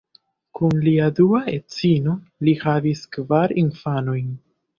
Kun lia dua edzino li havis kvar infanojn.